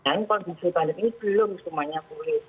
dan kalau di bps ini belum semuanya boleh